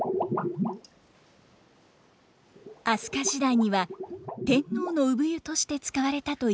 飛鳥時代には天皇の産湯として使われたといいます。